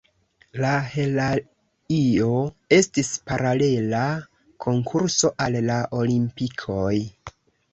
La heraio estis paralela konkurso al la Olimpikoj.